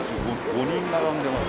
５人並んでます。